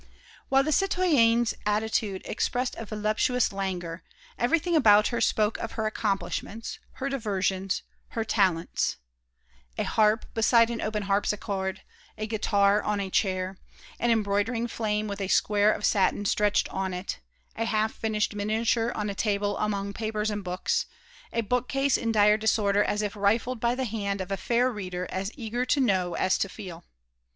While the citoyenne's attitude expressed a voluptuous languor, everything about her spoke of her accomplishments, her diversions, her talents, a harp beside an open harpsichord, a guitar on a chair, an embroidering frame with a square of satin stretched on it, a half finished miniature on a table among papers and books, a bookcase in dire disorder as if rifled by the hand of a fair reader as eager to know as to feel.